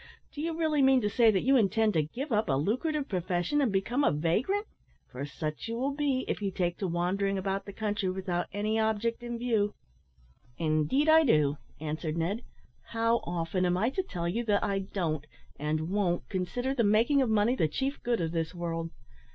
Do you really mean to say that you intend to give up a lucrative profession and become a vagrant? for such you will be, if you take to wandering about the country without any object in view." "Indeed, I do," answered Ned. "How often am I to tell you that I don't and won't consider the making of money the chief good of this world?